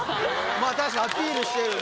まぁ確かにアピールしてるよね。